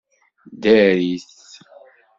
Ddarit!